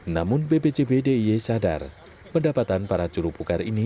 namun bpcb d i sadar pendapatan para juru pugar ini